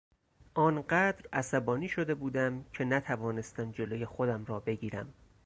آنقدر عصبانی شده بودم که نتوانستم جلو خودم را بگیرم.